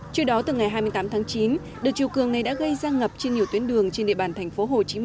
trước đó từ ngày hai mươi tám tháng chín đợt chiều cường này đã gây ra ngập trên nhiều tuyến đường trên địa bàn tp hcm